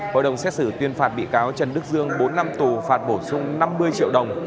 hội đồng xét xử tuyên phạt bị cáo trần đức dương bốn năm tù phạt bổ sung năm mươi triệu đồng